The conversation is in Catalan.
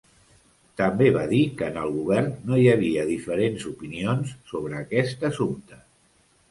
També va dir que en el Govern no hi havia diferents opinions sobre aquest assumpte.